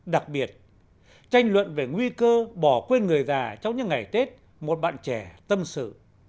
đặc biệt tranh luận về nguy cơ bỏ quên người già trong những ngày tết một bạn trẻ tâm sự